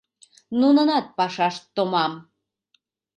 Нунынат пашашт томам.